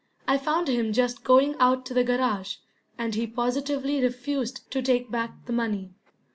I found him just going out to the garage, and he positively refused to take back the money.